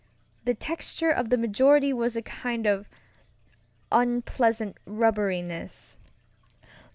The texture of the majority was a kind of unpleasant rubberiness.